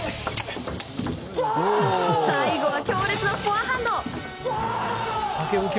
最後は強烈なフォアハンド！